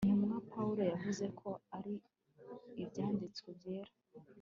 intumwa pawulo yavuze ko ari ibyanditswe byera